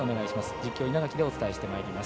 実況稲垣でお伝えしてまいります。